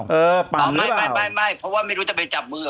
เออเปล่าไม่เพราะว่าไม่รู้จะไปจับมือ